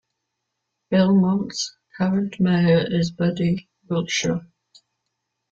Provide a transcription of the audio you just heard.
Belmont's current mayor is Buddy Wiltshire.